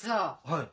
はい。